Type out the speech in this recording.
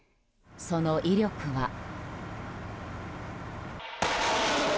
その威力は。